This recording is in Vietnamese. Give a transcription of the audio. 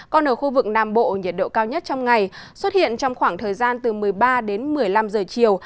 còn ở khu vực nam bộ nhiệt độ cao nhất trong ngày xuất hiện trong khoảng thời gian từ một mươi ba đến một mươi năm giờ chiều